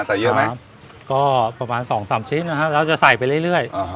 ใส่เยอะไหมก็ประมาณสองสามชิ้นนะฮะแล้วจะใส่ไปเรื่อยเรื่อยอ่าฮะ